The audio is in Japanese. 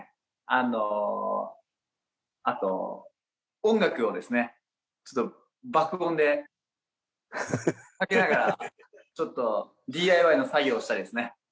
あのあと音楽をですねちょっと爆音でかけながらちょっとＤＩＹの作業をしたりですね。